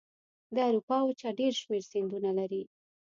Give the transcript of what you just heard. د اروپا وچه ډېر شمیر سیندونه لري.